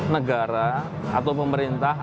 negara atau pemerintah